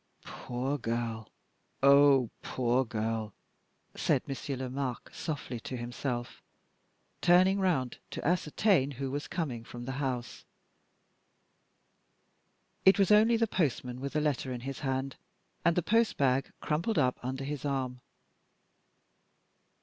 "Poor girl! ah, poor girl!" said Monsieur Lomaque softly to himself, turning round to ascertain who was coming from the house. It was only the postman with a letter in his hand, and the post bag crumpled up under his arm.